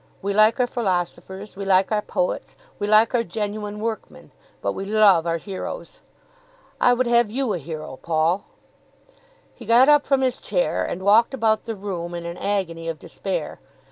We like our philosophers; we like our poets; we like our genuine workmen; but we love our heroes. I would have you a hero, Paul." He got up from his chair and walked about the room in an agony of despair.